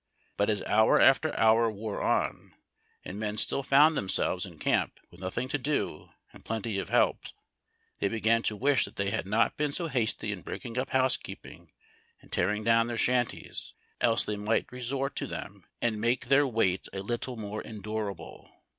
But as hour after hour wore on, and men still found themselves in camp with nothing to do and plenty of help, they began to wish that they had not been so hasty in breaking up housekeeping and tearing down tlieir shanties, else they might resort to them and make their wait a little more endurable.